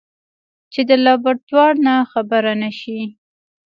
چې د لابراتوار نه خبره نشي.